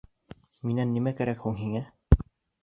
Минән нимә кәрәк һуң һиңә?